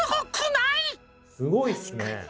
すごいっすね。